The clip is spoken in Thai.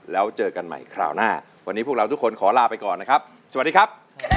แล้วเจอกันใหม่คราวหน้าวันนี้พวกเราทุกคนขอลาไปก่อนนะครับสวัสดีครับ